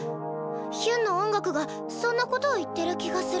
ヒュンの音楽がそんな事を言ってる気がする。